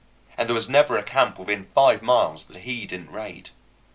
And there was never a camp within five miles that he didn't raid.